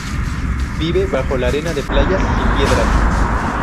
Vive bajo la arena de playas sin piedras.